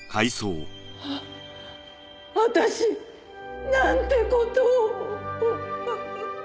あ私なんて事を。